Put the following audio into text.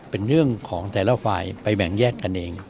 เป็นเรื่องของแต่ละฝ่ายไปแบ่งแยกกันเอง